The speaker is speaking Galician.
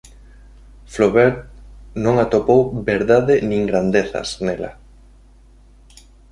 Flaubert non atopou "verdade nin grandezas" nela.